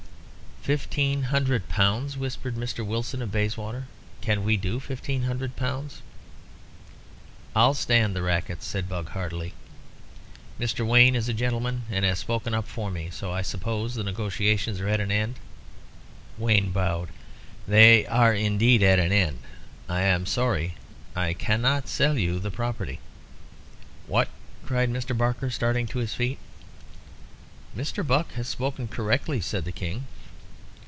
"Fifteen hundred pounds," whispered Mr. Wilson of Bayswater; "can we do fifteen hundred pounds?" "I'll stand the racket," said Buck, heartily. "Mr. Wayne is a gentleman and has spoken up for me. So I suppose the negotiations are at an end." Wayne bowed. "They are indeed at an end. I am sorry I cannot sell you the property." "What?" cried Mr. Barker, starting to his feet. "Mr. Buck has spoken correctly," said the King.